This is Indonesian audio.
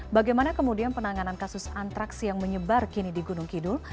bagaimana kemudian penanganan kasus antraks yang menyebar kini di gunung kidul